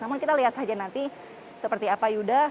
namun kita lihat saja nanti seperti apa yuda